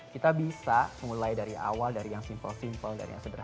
kita bisa mulai dari awal dari yang simpel simple dari yang sederhana